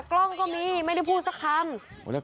กล้องก็มีไม่ได้พูดสักคำ